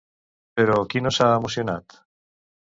Però qui no s'ha emocionat?